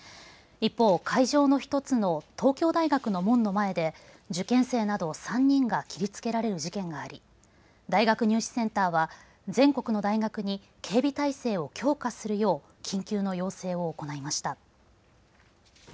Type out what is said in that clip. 一方、会場の１つの東京大学の門の前で受験生など３人が切りつけられる事件があり大学入試センターは全国の大学に警備体制を強化するよう緊急の要請を行いました。